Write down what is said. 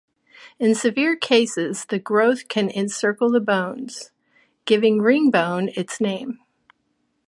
In severe cases, the growth can encircle the bones, giving ringbone its name.